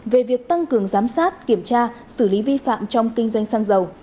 về việc tăng cường giám sát kiểm tra xử lý vi phạm trong kinh doanh xăng dầu